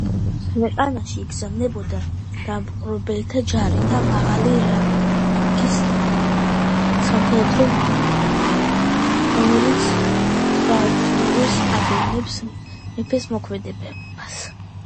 ქვეყანაში იგზავნებოდა დამპყრობელთა ჯარი და მაღალი რანგის სამხედრო მოხელე, რომელიც თვალყურს ადევნებდა მეფეთა მოქმედებას.